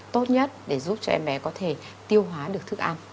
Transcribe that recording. tốt nhất để giúp cho em bé có thể tiêu hóa được thức ăn